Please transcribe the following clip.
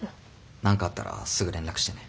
何かあったらすぐ連絡してね。